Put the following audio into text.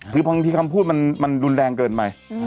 คือบางทีคำพูดมันรุนแรงเกินไป